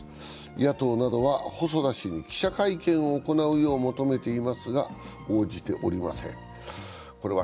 野党などは細田氏に記者会見を行うよう求めておりますが、応じておりません。